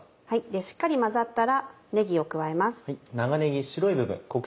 しっかり混ざったらねぎを加えます。